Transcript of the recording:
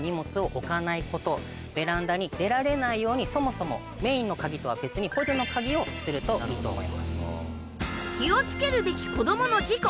ベランダに出られないようにそもそもメインの鍵とは別に補助の鍵をするといいと思います。